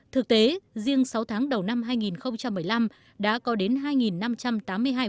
thực tế riêng sáu tháng đầu năm hai nghìn một mươi năm đã có đến hai năm trăm tám mươi hai vụ án với trên ba tội phạm là trẻ em đã xảy ra